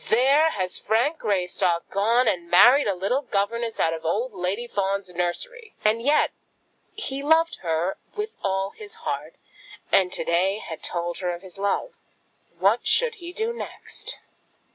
there has Frank Greystock gone and married a little governess out of old Lady Fawn's nursery!" And yet he loved her with all his heart, and to day he had told her of his love. What should he do next?